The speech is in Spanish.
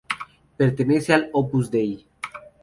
Pertenece al Opus Dei.